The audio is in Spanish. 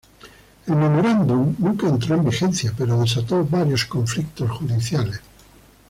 El memorándum nunca entró en vigencia, pero desató varios conflictos judiciales.